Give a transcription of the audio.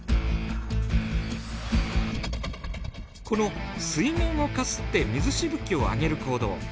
この水面をかすって水しぶきを上げる行動。